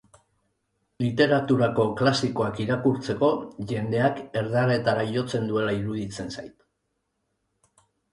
Literaturako klasikoak irakurtzeko, jendeak erdaretara jotzen duela iruditzen zait.